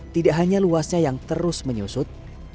tidak hanya luasnya yang terus menyusut